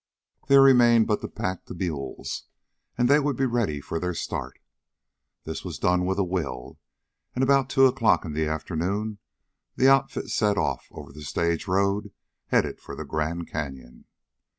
There remained but to pack the mules and they would be ready for their start. This was done with a will, and about two o'clock in the afternoon the outfit set off over the stage road, headed for the Grand Canyon.